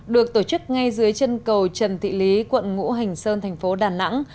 được tổ chức ngay dưới chân cầu trần thị lý quận ngũ hành sơn thành phố đà nẵng